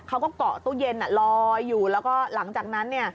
เขาก็เกาะตู้เย็นลอยอยู่แล้วก็หลังจากนั้นเนี่ย